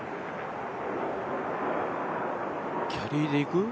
キャリーでいく？